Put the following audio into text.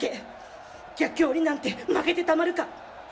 逆境になんて負けてたまるか。